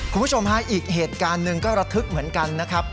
คุณผู้ชมฮะอีกเหตุการณ์หนึ่งก็ระทึกเหมือนกันนะครับ